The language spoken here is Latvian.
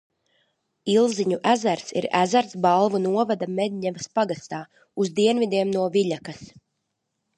Ilziņu ezers ir ezers Balvu novada Medņevas pagastā, uz dienvidiem no Viļakas.